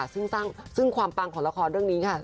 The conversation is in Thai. ซึ่งความปังของละครเรื่องนี้ค่ะ